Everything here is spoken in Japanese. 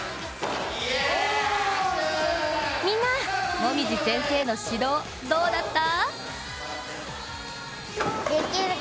みんな、椛先生の指導、どうだった？